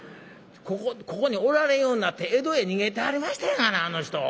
ここにおられんようになって江戸へ逃げてはりましたやがなあの人。